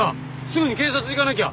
すぐに警察行かなきゃ。